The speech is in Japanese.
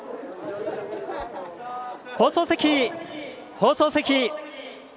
放送席。